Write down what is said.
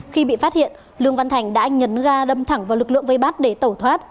khi bị phát hiện lương văn thành đã nhấn ga đâm thẳng vào lực lượng vây bắt để tẩu thoát